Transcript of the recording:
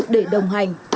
để đồng hành